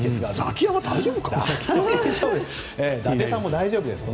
大丈夫ですよ。